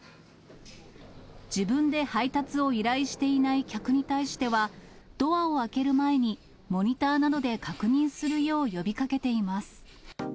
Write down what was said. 自分で配達を依頼していない客に対しては、ドアを開ける前に、モニターなどで確認するよう呼びかけています。